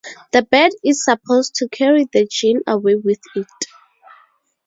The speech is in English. The bird is supposed to carry the jinn away with it.